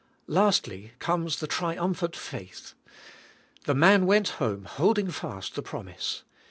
Lastl}^ comes the triumphant faith. The man went home holding fast the promise.